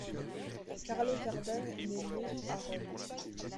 Carlo Verdone naît le à Rome.